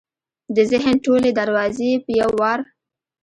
د ذهن ټولې دروازې یې په یو وار